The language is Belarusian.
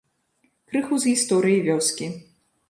Крыху з гісторыі вёскі.